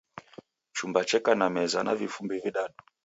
Chumba cheka na meza na vifumbi vidadu